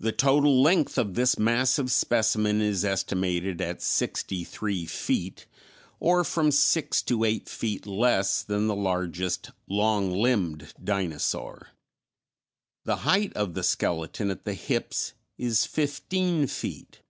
The total length of this massive specimen is estimated at sixty three feet, or from six to eight feet less than the largest "long limbed" dinosaur. The height of the skeleton at the hips is fifteen feet.